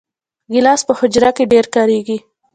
ګیلاس په حجره کې ډېر کارېږي.